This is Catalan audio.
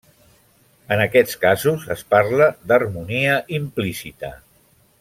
En aquests casos es parla d'harmonia implícita.